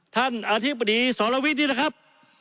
ท่านอธิบดีสรวิทย์นี่แหละครับ